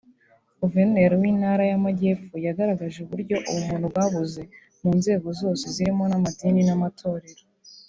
Guverineri w’Intara y’Amajyepfo yagaragaje uburyo ubumuntu bwabuze mu nzego zose zirimo n’amadini n’amatorero